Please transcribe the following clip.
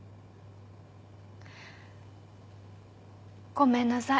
ごめんなさい。